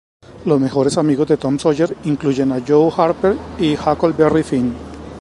Los mejores amigos de Tom Sawyer incluyen a Joe Harper y Huckleberry Finn.